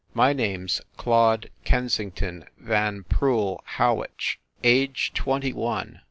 My name s Claude Ken sington Van Proul Howich. Age, twenty one.